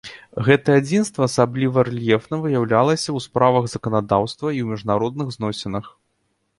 Гэтае адзінства асабліва рэльефна выяўлялася ў справах заканадаўства і ў міжнародных зносінах.